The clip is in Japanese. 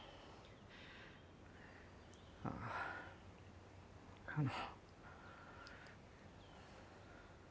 あぁあの。